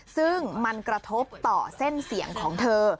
ซึ่งมันกระทบต่อเส้นเสียงของเธอ